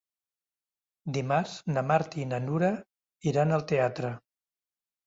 Dimarts na Marta i na Nura iran al teatre.